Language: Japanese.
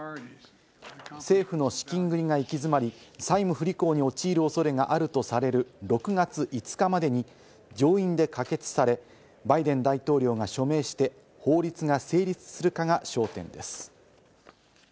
政府の資金繰りが行き詰まり、債務不履行に陥る恐れがあるとされる６月５日までに上院で可決され、バイデン大統領が署名して法律が成立するかが焦点です。